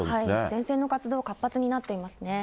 前線の活動、活発になっていますね。